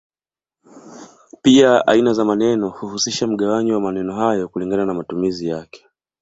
Pia aina za maneno huhusisha mgawanyo wa maneno hayo kulingana na matumizi yake.